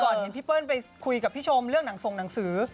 เห็นพี่เปิ้ลไปคุยกับพี่ชมเรื่องหนังส่งหนังสือ